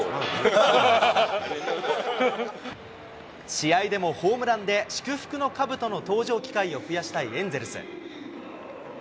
試合でもホームランで、祝福のかぶとの登場機会を増やしたいエンゼルス。